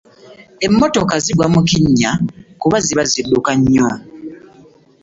Mmotoka zigwa mu kinnya kuba ziba zidduka nnyo.